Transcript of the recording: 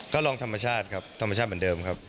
ก็ลองธรรมชาติครับธรรมชาติเหมือนเดิมครับ